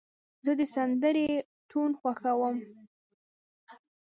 زه د سندرې ټون خوښوم.